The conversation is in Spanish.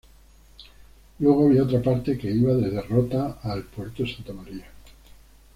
Luego había otra parte que iba desde Rota a El Puerto Sta.